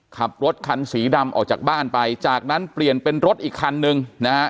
ขับรถคันสีดำออกจากบ้านไปจากนั้นเปลี่ยนเป็นรถอีกคันนึงนะฮะ